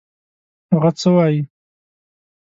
هغه څه وايي.